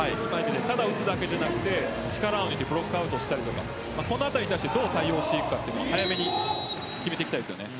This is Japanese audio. ただ打つだけではなく力を入れてブロックアウトしたりこの当たりに対してどんなふうに対応していくかというのを早めに決めていきたいです。